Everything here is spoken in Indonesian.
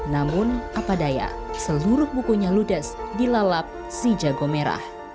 namun apadahya seluruh bukunya ludes dilalap si jago merah